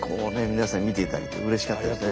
皆さんに見ていただけてうれしかったですね。